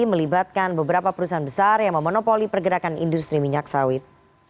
melibatkan beberapa perusahaan besar yang memonopoli pergerakan industri minyak sawit